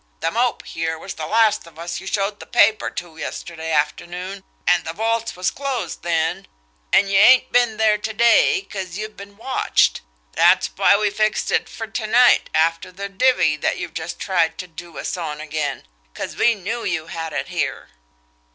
"The Mope, here, was the last of us you showed the paper to yesterday afternoon, an' the vaults was closed then an' you ain't been there to day, 'cause you've been watched. That's why we fixed it fer to night after the divvy that you've just tried ter do us on again, 'cause we knew you had it here."